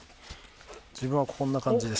自分はこんな感じです。